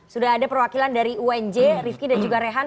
sudah ada perwakilan dari unj rifki dan juga rehan